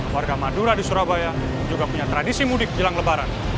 warga madura di surabaya juga punya tradisi mudik jelang lebaran